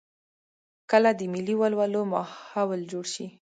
کله د ملي ولولو ماحول جوړ شي.